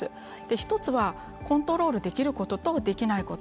１つは、コントロールできることとできないこと。